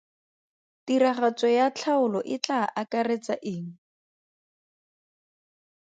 Tiragatso ya tlhaolo e tla akaretsa eng?